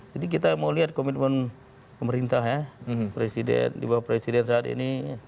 jadi kita mau lihat komitmen pemerintah ya presiden juga presiden saat ini